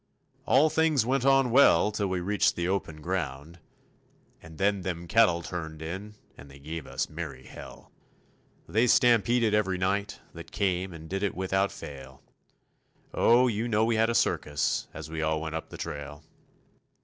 All things went on well till we reached the open ground, And then them cattle turned in and they gave us merry hell. They stampeded every night that came and did it without fail, Oh, you know we had a circus as we all went up the trail.